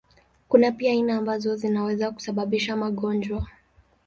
Kuna pia aina ambazo zinaweza kusababisha magonjwa.